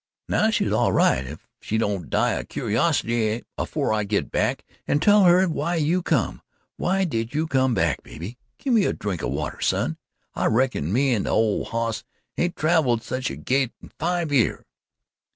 "Now she's all right, if she don't die o' curiosity afore I git back and tell her why you come. Why did you come back, baby? Gimme a drink o' water, son. I reckon me an' that ole hoss hain't travelled sech a gait in five year."